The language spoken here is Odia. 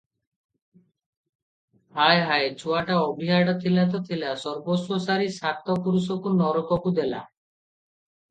ହାୟ! ହାୟ! ଛୁଆଟା ଅଭିଆଡ଼ା ଥିଲା ତ ଥିଲା, ସର୍ବସ୍ୱ ସାରି ସାତ ପୁରୁଷକୁ ନରକକୁ ଦେଲା ।